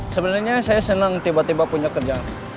sebenarnya saya senang tiba tiba punya kerja